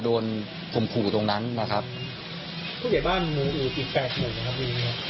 โดนสมครูตรงนั้นนะครับผู้ใหญ่บ้านมีอีกแปดหมู่นะครับ